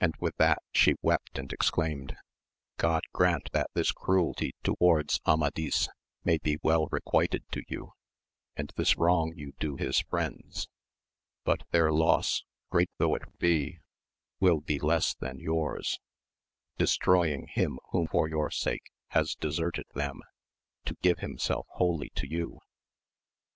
and with that she wept and ex claimed, God grant that this cruelty towards Amadis may be well requited to you, and this wrong you do his friends ; but their loss, great though it be, will be less than yours, destroying him who for your sake has deserted them, to give himself wholly to you.